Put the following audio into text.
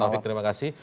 pak taufik terima kasih